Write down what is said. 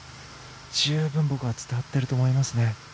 十分僕は伝わっていると思いますね。